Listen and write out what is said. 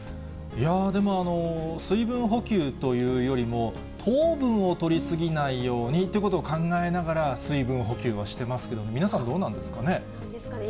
いやあ、でも水分補給というよりも、糖分をとり過ぎないようにということを考えながら水分補給をしてますけど、皆さん、どうなんですかね。